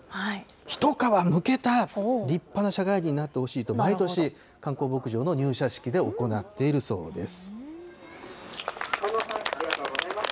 一皮むけた立派な社会人になってほしいと、毎年、観光牧場の入社式で行っているそうです。